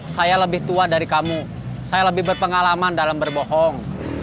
saya lebih tua dari kamu saya lebih berpengalaman dalam berbohong